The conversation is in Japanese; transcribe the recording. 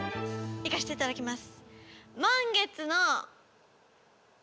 いかしていただきます。